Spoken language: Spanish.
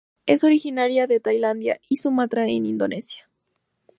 Es originaria de Tailandia y Sumatra en Indonesia.